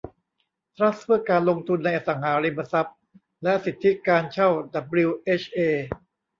ทรัสต์เพื่อการลงทุนในอสังหาริมทรัพย์และสิทธิการเช่าดับบลิวเอชเอ